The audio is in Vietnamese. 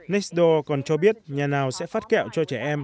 nextdo còn cho biết nhà nào sẽ phát kẹo cho trẻ em